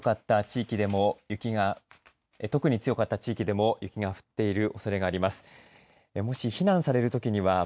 揺れが強かった地域でも雪が降っているおそれがあります。